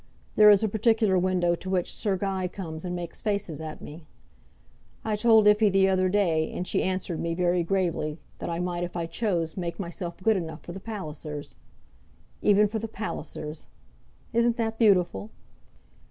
There is a particular window to which Sir Guy comes and makes faces at me. I told Iphy the other day, and she answered me very gravely, that I might, if I chose, make myself good enough for the Pallisers. Even for the Pallisers! Isn't that beautiful?"